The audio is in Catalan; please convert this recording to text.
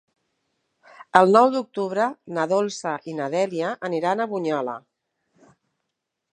El nou d'octubre na Dolça i na Dèlia aniran a Bunyola.